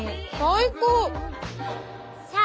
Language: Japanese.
最高！